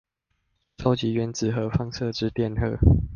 收集原子核放射之電荷